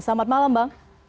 selamat malam bang